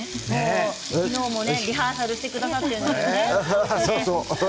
昨日もリハーサルしてくださってね。